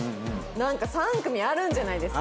３組あるんじゃないんですか？